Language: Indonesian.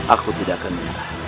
aku tidak akan menyerah